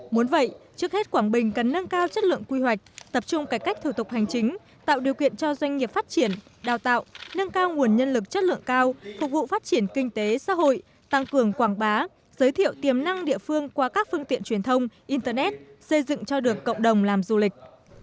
muốn vậy trước hết quảng bình cần nâng cao chất lượng quy hoạch tập trung cải cách thủ tục hành chính tạo điều kiện cho doanh nghiệp phát triển đào tạo nâng cao nguồn nhân lực chất lượng cao phục vụ phát triển kinh tế xã hội tăng cường quảng bá giới thiệu tiềm năng địa phương qua các phương tiện truyền thông internet xây dựng cho được cộng đồng làm du lịch